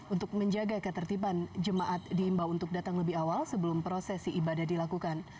untuk menjaga ketertiban jemaat diimbau untuk datang lebih awal sebelum prosesi ibadah dilakukan